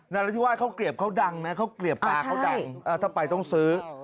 นาราธิวาสข้าวเกลียบเขาดังนะข้าวเกลียบปลาเขาดังถ้าไปต้องซื้อ